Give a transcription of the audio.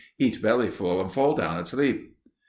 Eat bellyful and fall down asleep."